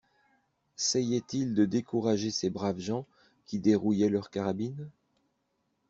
Seyait-il de décourager ces braves gens qui dérouillaient leurs carabines?